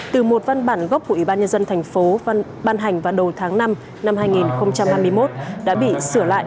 từ một văn bản gốc của ủy ban nhân dân thành phố ban hành vào đầu tháng năm năm hai nghìn hai mươi một đã bị sửa lại